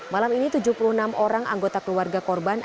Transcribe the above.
malam ini tujuh puluh enam orang anggota keluarga korban